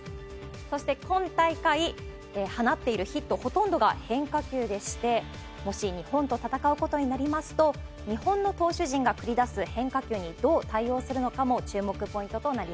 そして、今大会放っているヒット、ほとんどが変化球でして、もし日本と戦うことになりますと、日本の投手陣が繰り出す変化球にどう対応するのかも注目ポイント